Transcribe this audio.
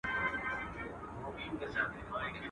د سرو پېزوانه گړنگو زوړ کړې.